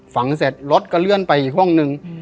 ฝังเสร็จล็อตกระเลื่อนไปอีกห้องนึง